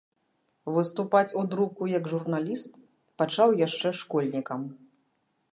Выступаць у друку як журналіст пачаў яшчэ школьнікам.